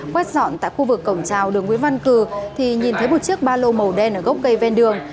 quét dọn tại khu vực cổng trào đường nguyễn văn cử thì nhìn thấy một chiếc ba lô màu đen ở gốc cây ven đường